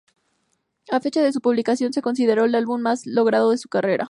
A fecha de su publicación se consideró el álbum más logrado de su carrera.